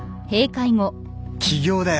起業だよ。